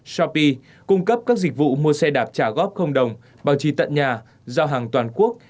shopee cung cấp các dịch vụ mua xe đạp trả góp không đồng bảo trì tận nhà giao hàng toàn quốc